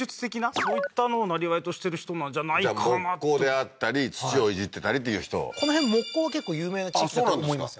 そういったのをなりわいとしてる人なんじゃないかなと木工であったり土をいじってたりっていう人この辺木工は結構有名な地域だと思いますよ